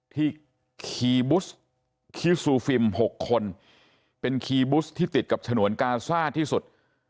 ที่คีย์บุ๊ชคิซูฟิม๖คนเป็นคีย์บุ๊ชที่ติดกับฉนวนกาซ่าที่สุด